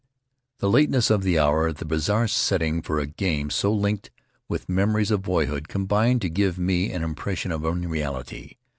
The lateness of the hour — the bizarre setting for a game so linked with memories of boyhood, combined to give me an impression of unreality.